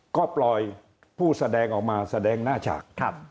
ก็ปล่อยผู้แสดงออกมาแสดงหน้าฉาก